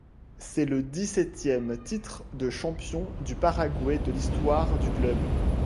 C'est le dix-septième titre de champion du Paraguay de l'histoire du club.